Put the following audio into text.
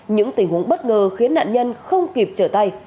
những tình huống bất ngờ khiến nạn nhân không kịp trở tay